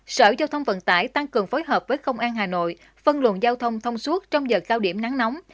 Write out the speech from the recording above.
sở giao thông vận tải tăng cường phối hợp với công an hà nội phân luận giao thông thông suốt trong giờ cao điểm nắng nóng